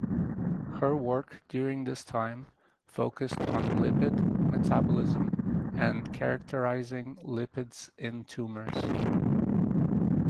Her work during this time focused on lipid metabolism and characterizing lipids in tumors.